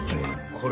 これ。